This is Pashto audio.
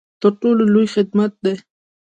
تر ټولو لوی خدمت دی.